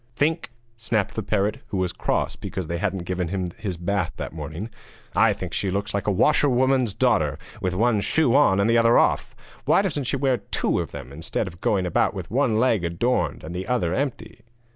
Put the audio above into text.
'Think?' snapped the parrot, who was cross because they hadn't given him his bath that morning, 'I think she looks like a washerwoman's daughter, with one shoe on and the other off! Why doesn't she wear two of them, instead of going about with one leg adorned and the other empty?'